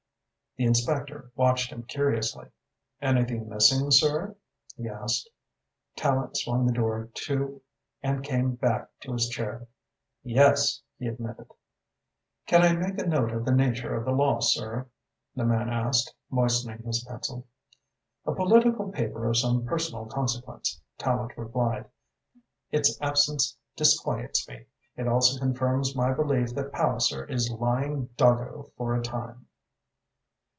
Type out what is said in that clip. The inspector watched him curiously. "Anything missing, sir?" he asked. Tallente swung the door to and came back to his chair. "Yes!" he admitted. "Can I make a note of the nature of the loss, sir?" the man asked, moistening his pencil. "A political paper of some personal consequence," Tallente replied. "Its absence disquiets me. It also confirms my belief that Palliser is lying doggo for a time."